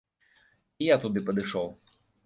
І я туды падышоў.